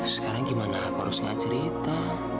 sekarang gimana aku harus gak cerita